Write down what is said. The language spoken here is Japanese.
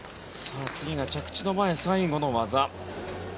次が着地の前最後の技。